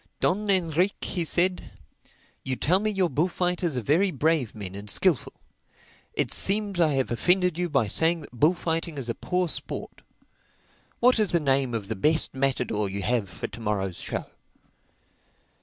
"Don Enrique," he said, "you tell me your bullfighters are very brave men and skilful. It seems I have offended you by saying that bullfighting is a poor sport. What is the name of the best matador you have for to morrow's show?"